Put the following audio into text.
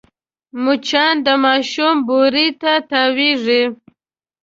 مچان د ماشوم بوري ته تاوېږي